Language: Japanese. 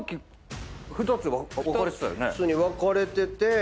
２つに分かれてて。